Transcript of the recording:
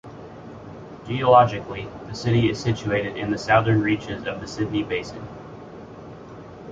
Geologically, the city is situated in the southern reaches of the Sydney basin.